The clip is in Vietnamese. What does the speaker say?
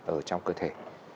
ở trong cơ thể